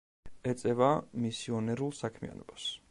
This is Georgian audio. ეწევა მისიონერულ საქმიანობას.